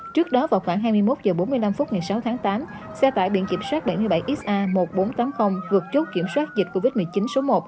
trước đó vào khoảng hai mươi một h bốn mươi năm phút ngày sáu tháng tám xe tải biển kiểm soát bảy mươi bảy sa một nghìn bốn trăm tám mươi vượt chốt kiểm soát dịch covid một mươi chín số một